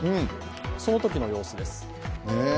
そのときの様子です。